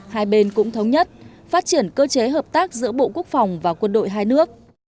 hai bên cũng thống nhất phát triển cơ chế hợp tác giữa bộ quốc phòng và quân đội hai nước